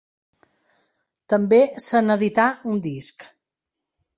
També se n'edità un disc.